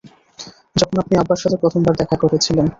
যখন আপনি আব্বার সাথে প্রথমবার দেখা করেছিলেন।